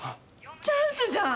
チャンスじゃん！